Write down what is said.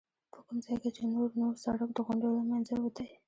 په کوم ځای کې چې نور نو سړک د غونډیو له منځه وتی.